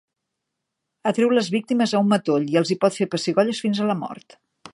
Atreu les víctimes a un matoll i els hi pot fer pessigolles fins a la mort.